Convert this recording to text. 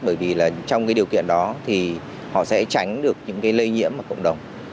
bởi vì trong điều kiện đó họ sẽ tránh được lây nhiễm vào cộng đồng